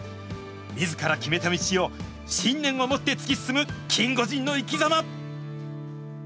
みずから決めた道を信念を持って突き進むキンゴジンの生きざま。